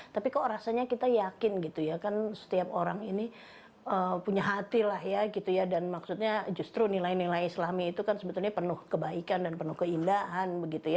tapi kok rasanya kita yakin setiap orang ini punya hati dan maksudnya justru nilai nilai islami itu kan sebetulnya penuh kebaikan dan penuh keindahan